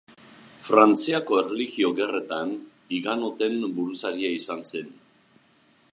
Frantziako Erlijio Gerretan higanoten buruzagia izan zen.